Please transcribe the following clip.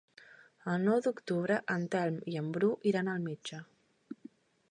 El nou d'octubre en Telm i en Bru iran al metge.